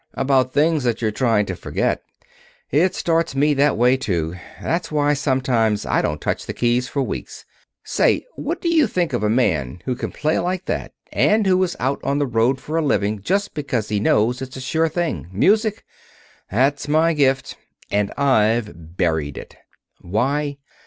"About things that you're trying to forget. It starts me that way, too. That's why sometimes I don't touch the keys for weeks. Say, what do you think of a man who can play like that, and who is out on the road for a living just because he knows it's a sure thing? Music! That's my gift. And I've buried it. Why?